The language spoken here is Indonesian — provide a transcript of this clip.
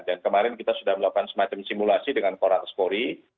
dan kemarin kita sudah melakukan semacam simulasi dengan korataspori